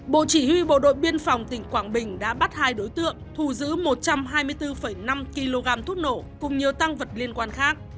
bộ chỉ huy bộ đội biên phòng tỉnh quảng bình đã bắt hai đối tượng thu giữ một trăm hai mươi bốn năm kg thuốc nổ cùng nhiều tăng vật liên quan khác